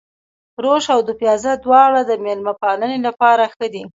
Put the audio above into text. روش او دوپيازه دواړه د مېلمه پالنې لپاره ښه دي.